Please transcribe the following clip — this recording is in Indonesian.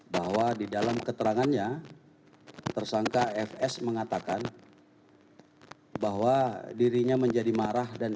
bahwa di dalam keterangannya tersangka fs mengatakan bahwa dirinya menjadi marah dan